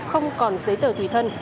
không còn giấy tờ thủy thân